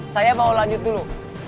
saya mau lanjut dulu